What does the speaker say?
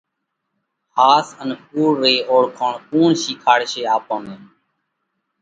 ۿاس ان ڪُوڙ رئِي اوۯکوڻ ڪُوڻ شِيکاڙشي آپون نئہ؟